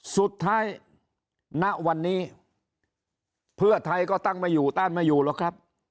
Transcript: สุดท้ายณวันนี้เพื่อไทยก็ตั้งไม่อยู่ต้านไม่อยู่หรอกครับ